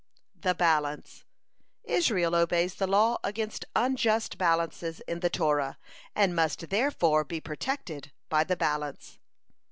The Balance: "Israel obeys the law against unjust balances in the Torah, and must therefore be protected by the Balance."